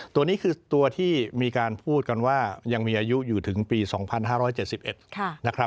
ตัวนี้คือตัวที่มีการพูดกันว่ายังมีอายุอยู่ถึงปี๒๕๗๑นะครับ